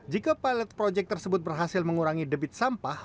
jika pilot project tersebut berhasil mengurangi debit sampah